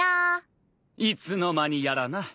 いつの間にやらな。